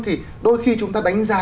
thì đôi khi chúng ta đánh giá